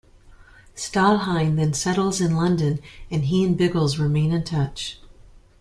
Stalhein then settles in London and he and Biggles remain in touch.